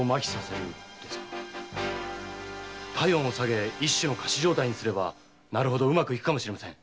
体温を下げて仮死状態にすればうまくゆくかもしれません。